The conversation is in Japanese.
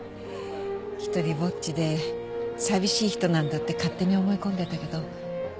一人ぼっちで寂しい人なんだって勝手に思い込んでたけど。